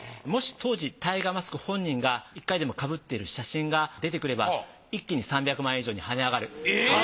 もし当時タイガーマスク本人が１回でも被っている写真が出てくれば一気に３００万円以上に跳ね上がる。